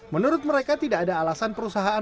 menurut mereka tidak ada alasan perusahaan